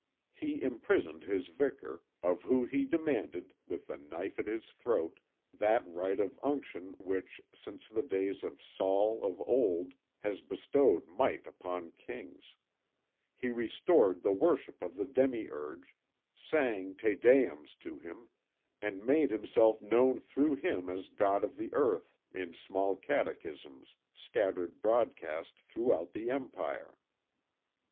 He imprisoned his Vicar, of whom he demanded, with the knife at his throat, that rite of unction which, since the days of Saul of old, has bestowed might upon kings; he restored the worship of the demiurge, sang Te Deums to him, and made himself known through him as God of the earth, in small catechisms scattered broadcast throughout the Empire.